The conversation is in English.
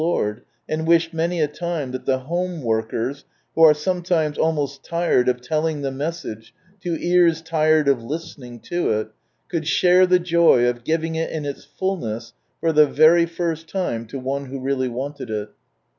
ortf, and wished many a time, that the honie wotkers, who are sometimes almost tired of telling the message to ears tired of listening to it, could share the joy of giving it in its fulness for the very first time to one who really wanted it.